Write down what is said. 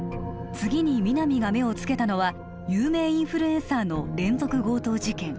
次に皆実が目をつけたのは有名インフルエンサーの連続強盗事件